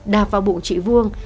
đạp vào bụng chị vuông